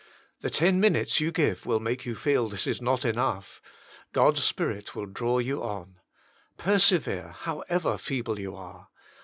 The ten minutes you give will make you feel this is not enough. God s Spirit will draw you on. Persevere, however feeble you are.